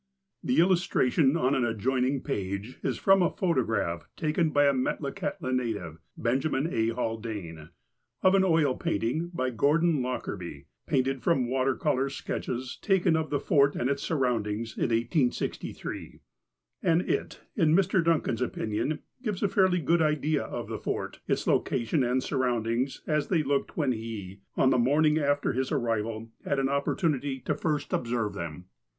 The illustration, on an adjoining page, is from a photo graph taken by a Metlakahtla native, Benjamin A. Hal dane, of an oil painting by Gordon Lockerby, painted from water colour sketches taken of the Fort and its sur roundings in 1863, and it, in Mr. Duncan's opinion, gives a fairly good idea of the Fort, its location and surround ings, as they looked when he, on the morning after his arrival, had an opi^ortunity to first observe them.